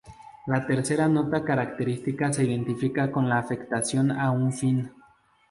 La tercera nota característica se identifica con la afectación a un fin.